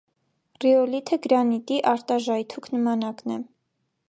Ռիոլիթը գրանիտի արտաժայթուք նմանակն է։